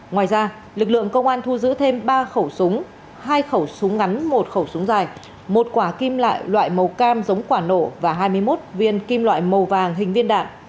ngoài ra lực lượng công an thu giữ thêm ba khẩu súng hai khẩu súng ngắn một khẩu súng dài một quả kim loại loại màu cam giống quả nổ và hai mươi một viên kim loại màu vàng hình viên đạn